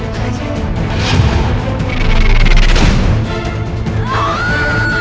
tidak ada apa apa